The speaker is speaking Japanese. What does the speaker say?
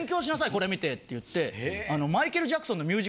これ見て」って言って。